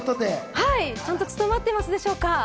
はい、ちゃんと務まってますでしょうか？